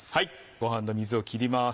ごはんの水を切ります。